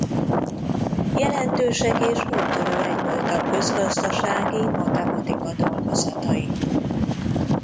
Jelentősek és úttörőek voltak közgazdasági matematika dolgozatai.